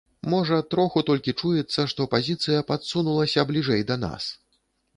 Можа, троху толькі чуецца, што пазіцыя падсунулася бліжэй да нас.